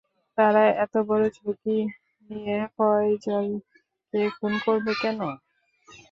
তারা এত বড় ঝুঁকি নিয়ে ফয়জলকে খুন করবে কেন?